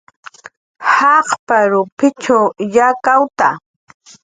"Jaqp""rw p""itx""q yakawt""a "